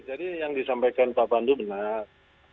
jadi yang disampaikan pak pandu benar